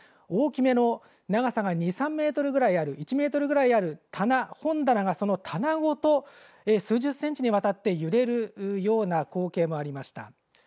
大きめの長さが２３メートルぐらいある１メートルぐらいある棚、本棚がその棚ごと数十センチにわたって揺れるような光景もありました。